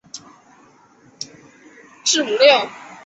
次年义军被镇压后。